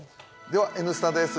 では「Ｎスタ」です。